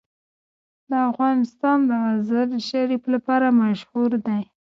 افغانستان د مزارشریف لپاره مشهور دی.